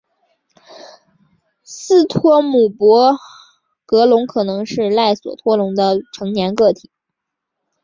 斯托姆博格龙可能是赖索托龙的成年个体。